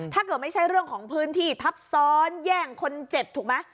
ถ้าเกิดไม่ใช่เรื่องของพื้นที่ทับซ้อนแย่งคนเจ็บถูกไหม